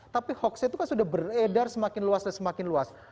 tapi hoaxnya itu kan sudah beredar semakin luas dan semakin luas